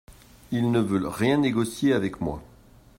Ils ne veulent rien négocier avec moi.